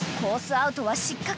アウトは失格